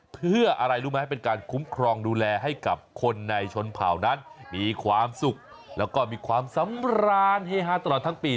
เพื่ออะไรรู้ไหมเป็นการคุ้มครองดูแลให้กับคนในชนเผ่านั้นมีความสุขแล้วก็มีความสำราญเฮฮาตลอดทั้งปี